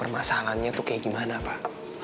permasalahannya itu kayak gimana pak